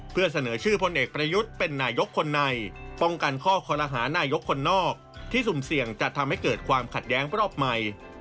เพื่อเสนอชื่อพลเอกประยุทธ์เป็นนายกคนในป้องกันข้อคอลหานายกคนนอกที่สุ่มเสี่ยงจะทำให้เกิดความขัดแย้งรอบใหม่